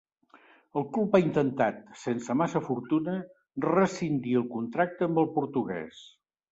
El club ha intentat, sense massa fortuna, rescindir el contracte amb el portugués.